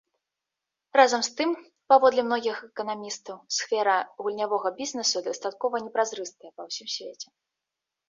Разам з тым, паводле многіх эканамістаў, сфера гульнявога бізнесу дастаткова непразрыстая па ўсім свеце.